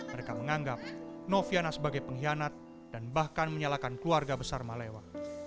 mereka menganggap noviana sebagai pengkhianat dan bahkan menyalakan keluarga besar malewa